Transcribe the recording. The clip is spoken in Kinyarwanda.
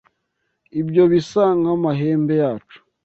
Ibyo bisa nkamahembe yacu.